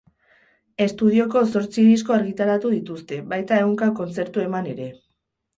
Estudioko zortzi disko argitaratu dituzte, baita ehunka kontzertu eman ere.